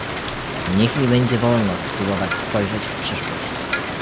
Niech mi będzie wolno spróbować spojrzeć w przyszłość